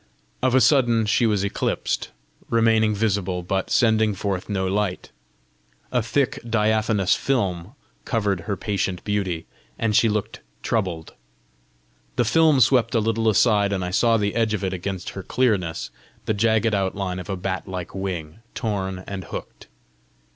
Of a sudden she was eclipsed, remaining visible, but sending forth no light: a thick, diaphanous film covered her patient beauty, and she looked troubled. The film swept a little aside, and I saw the edge of it against her clearness the jagged outline of a bat like wing, torn and hooked.